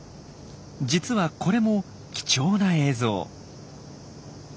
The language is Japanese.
実はこれも貴重な映像。